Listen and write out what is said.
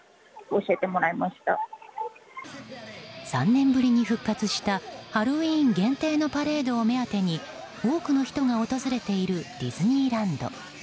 ３年ぶりに復活したハロウィーン限定のパレードを目当てに多くの人が訪れているディズニーランド。